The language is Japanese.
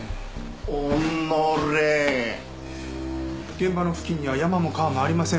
現場の付近には山も川もありませんでした。